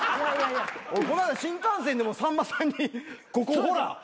この間新幹線でもさんまさんにここほらホトちゃん